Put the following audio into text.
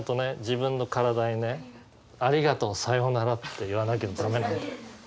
自分の体にね「ありがとう。さようなら」って言わなきゃ駄目なんだよ。